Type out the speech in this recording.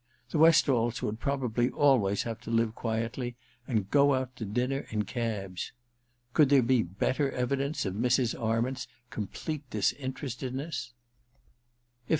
The Westalls would probably always have to live quietly and go out to dinner in cabs. Could there be better evidence of Mrs. Arment's complete disinterestedness